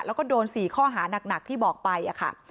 แล้วก็โดน๔ข้อหานักที่บอกไปค่ะ